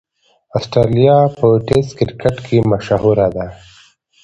اسټرالیا په ټېسټ کرکټ کښي مشهوره ده.